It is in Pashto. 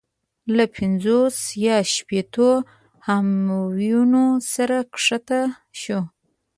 له پنځوس یا شپېتو همیونو سره کښته شو.